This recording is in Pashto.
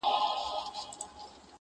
خالقه بيا به له هندارو سره څه کومه،،